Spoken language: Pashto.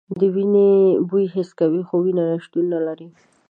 د وینې بوی حس کوي خو وینه شتون نه لري.